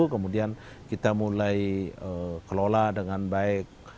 kemudian kita mulai kelola dengan baik